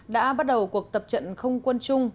đã bắt đầu cuộc tập trận không quân chung